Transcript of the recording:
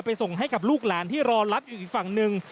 ส่งให้กับลูกหลานที่รอรับอยู่อีกฝั่งหนึ่ง